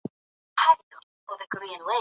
یاقوت د افغانستان د امنیت په اړه هم اغېز لري.